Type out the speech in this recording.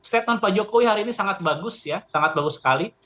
statement pak jokowi hari ini sangat bagus ya sangat bagus sekali